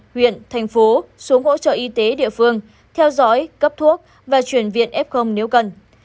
huyện thành phố xuống hỗ trợ y tế địa phương theo dõi cấp thuốc và chuyển viện f nếu cần